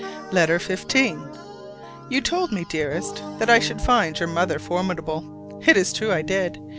LETTER XV. You told me, dearest, that I should find your mother formidable. It is true; I did.